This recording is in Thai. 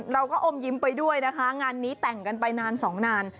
อมยิ้มไปด้วยนะคะงานนี้แต่งกันไปนานสองนาน